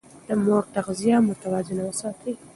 د مور تغذيه متوازنه وساتئ.